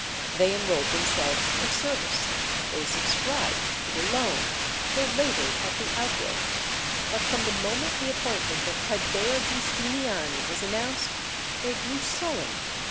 They enrolled themselves for service. They subscribed to the loan. They laboured at the outworks. But from the moment the appointment of Taddeo Giustiniani was announced, they grew sullen.